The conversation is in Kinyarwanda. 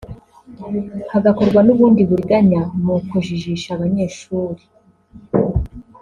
hagakorwa n’ubundi buriganya mu kujijisha abanyeshuri